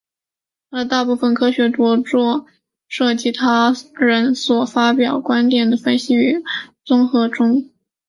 他的大部分科学着作涉及对他人所发表观点的分析与综合中。